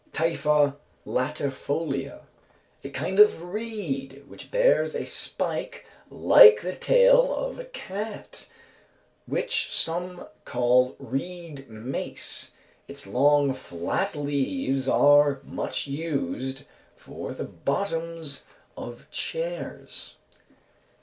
_ (Typha latifolia). A kind of reed which bears a spike like the tail of a cat, which some call reed mace; its long, flat leaves are much used for the bottoms of chairs.